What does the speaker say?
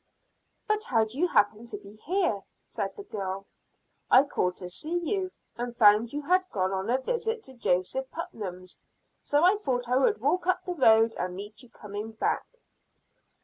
"But how do you happen to be here?" said the girl. "I called to see you, and found you had gone on a visit to Joseph Putnam's. So I thought I would walk up the road and meet you coming back."